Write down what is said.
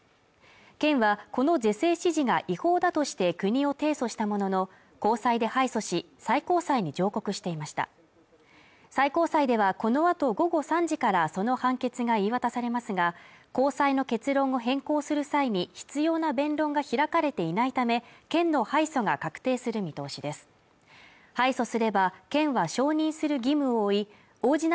県はこの是正指示が違法だとして国を提訴したものの高裁で敗訴し最高裁に上告していました最高裁ではこのあと午後３時からその判決が言い渡されますが高裁の結論を変更する際に必要な弁論が開かれていないため県の敗訴が確定する見通しです９月に入っても猛烈な暑さが続いています